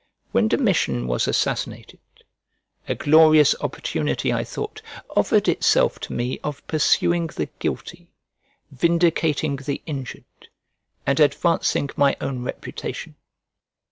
When Domitian was assassinated, a glorious opportunity, I thought, offered itself to me of pursuing the guilty, vindicating the injured, and advancing my own reputation.